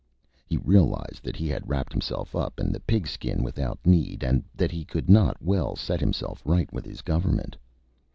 He realized that he had wrapped himself up in the Pigskin without need, and that he could not well set himself right with his Government.